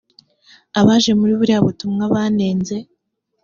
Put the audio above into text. abaje muri buriya butumwa banenze